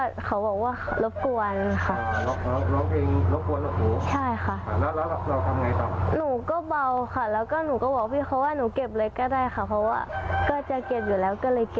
แล้วพี่ตำรวจเข้าไปบอกเราไปจับเราไหมหรือไปอะไรไหม